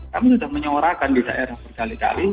kami sudah menyorakan di daerah berkali kali